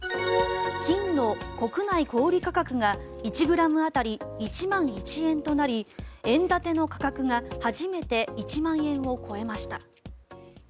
金の国内小売価格が１ｇ当たり１万１円となり円建ての価格が初めて１万円を超えました。